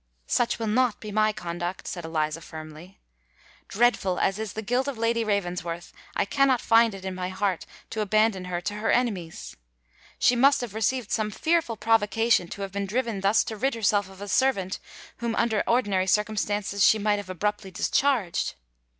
"Such will not be my conduct," said Eliza, firmly. "Dreadful as is the guilt of Lady Ravensworth, I cannot find it in my heart to abandon her to her enemies. She must have received some fearful provocation to have been driven thus to rid herself of a servant whom, under ordinary circumstances, she might have abruptly discharged."